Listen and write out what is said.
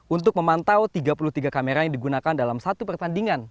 untuk memantau tiga puluh tiga kamera yang digunakan dalam satu pertandingan